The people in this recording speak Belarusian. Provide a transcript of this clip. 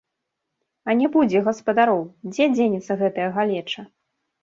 А не будзе гаспадароў, дзе дзенецца гэтая галеча?